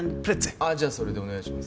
ああじゃあそれでお願いします。